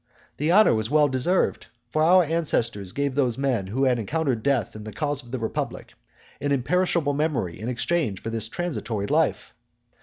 The honour was well deserved. For our ancestors gave those men who had encountered death in the cause of the republic an imperishable memory in exchange for this transitory life.